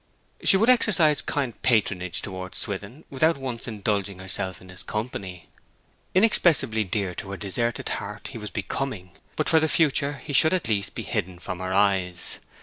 She would exercise kind patronage towards Swithin without once indulging herself with his company. Inexpressibly dear to her deserted heart he was becoming, but for the future he should at least be hidden from her eyes.